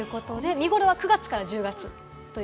見ごろは９月から１０月。